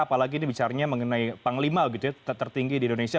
apalagi ini bicara mengenai panglima tertinggi di indonesia